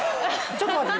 ちょっと待って！